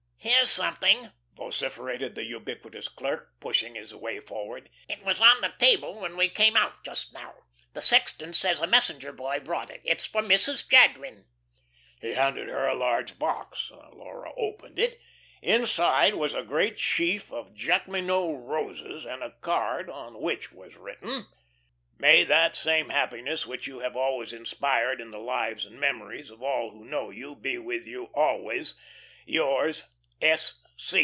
"Here's something," vociferated the ubiquitous clerk, pushing his way forward. "It was on the table when we came out just now. The sexton says a messenger boy brought it. It's for Mrs. Jadwin." He handed her a large box. Laura opened it. Inside was a great sheaf of Jacqueminot roses and a card, on which was written: "May that same happiness which you have always inspired in the lives and memories of all who know you be with you always. "Yrs. S.